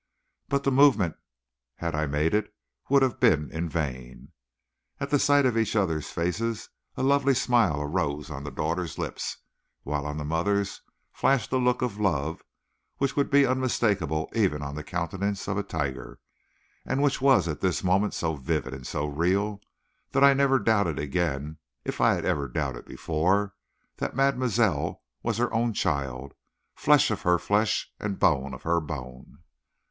But the movement, had I made it, would have been in vain. At the sight of each other's faces a lovely smile arose on the daughter's lips, while on the mother's flashed a look of love which would be unmistakable even on the countenance of a tiger, and which was at this moment so vivid and so real that I never doubted again, if I had ever doubted before, that mademoiselle was her own child flesh of her flesh, and bone of her bone.